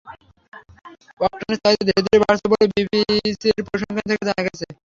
অকটেনের চাহিদা ধীরে ধীরে বাড়ছে বলে বিপিসির পরিসংখ্যান থেকে জানা গেছে।